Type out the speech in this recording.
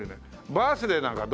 バースデーなんかどう？